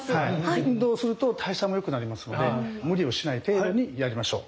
運動すると代謝もよくなりますので無理をしない程度にやりましょう。